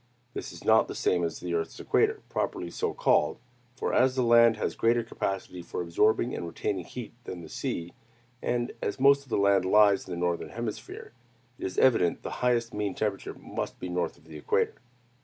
This is not the same at the earth's equator, properly so called; for, as the land has greater capacity for absorbing and retaining heat than the sea, and as most of the land lies in the northern hemisphere, it is evident the highest mean temperature must be north of the equator.